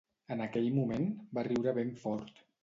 En aquell moment, va riure ben fort.